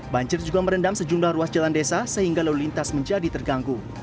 banjir juga merendam sejumlah ruas jalan desa sehingga lalu lintas menjadi terganggu